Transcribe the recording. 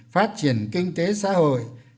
phát triển kinh tế xã hội